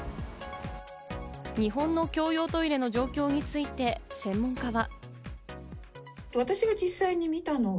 日本の共用トイレの状況について専門家は。